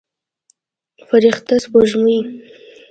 فرشته سپوږمۍ